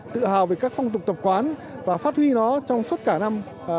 tự hào về các phong tục tập quán và phát huy nó trong suốt cả năm hai nghìn một mươi chín